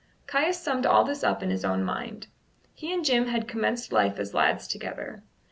Caius summed all this up in his own mind. He and Jim had commenced life as lads together.